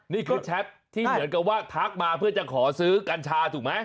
นี่เขาแชทที่เหมือนกับว่าทักมาเพื่อจะขอซื้อกัญชาถูกไหม